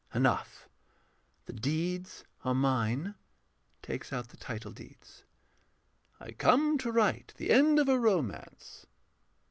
Enough, the deeds are mine. [Takes out the title deeds.] I come to write the end of a romance.